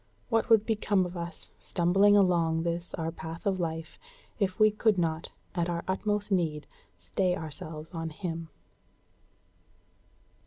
What would become of us, stumbling along this our path of life, if we could not, at our utmost need, stay ourselves on Him?